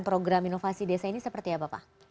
program inovasi desa ini seperti apa pak